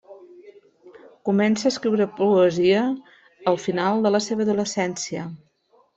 Comença a escriure poesia al final de la seva adolescència.